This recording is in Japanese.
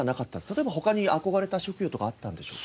例えば他に憧れた職業とかあったんでしょうか？